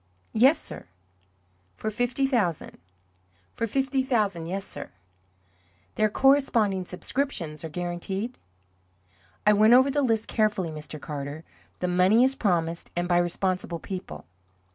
"Yes, sir." "For fifty thousand?" "For fifty thousand yes, sir." "Their corresponding subscriptions are guaranteed?" "I went over the list carefully, Mr. Carter. The money is promised, and by responsible people."